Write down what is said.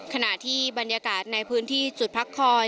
ขณะที่บรรยากาศในพื้นที่จุดพักคอย